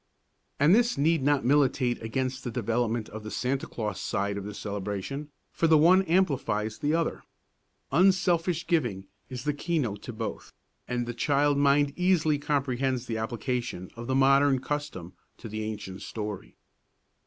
And this need not militate against the development of the Santa Claus side of the celebration, for the one amplifies the other. Unselfish giving is the keynote to both, and the child mind easily comprehends the application of the modern custom to the ancient story.